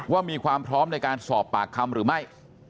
มีความพร้อมในการสอบปากคำหรือไม่